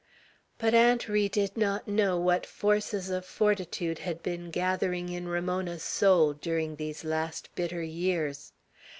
But Aunt Ri did not know what forces of fortitude had been gathering in Ramona's soul during these last bitter years.